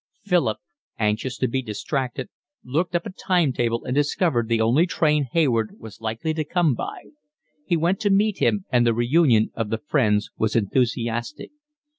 Philip, anxious to be distracted, looked up a time table and discovered the only train Hayward was likely to come by; he went to meet him, and the reunion of the friends was enthusiastic.